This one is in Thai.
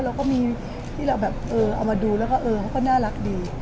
เราก็มีที่เราแบบเออเอามาดูแล้วก็เออเขาก็น่ารักดี